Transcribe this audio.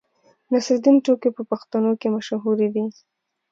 د نصرالدین ټوکې په پښتنو کې مشهورې دي.